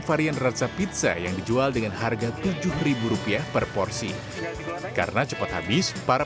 varian rasa pizza yang dijual dengan harga tujuh ribu rupiah per porsi karena cepat habis para